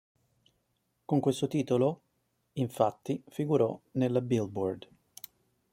Con questo titolo infatti figurò nella Billboard.